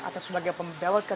atau sebagai pembelot kah